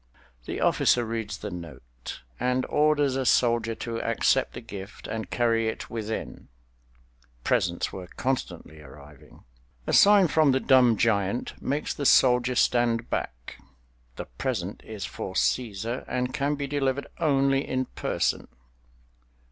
The officer reads the note, and orders a soldier to accept the gift and carry it within—presents were constantly arriving. A sign from the dumb giant makes the soldier stand back—the present is for Cæsar and can be delivered only in person.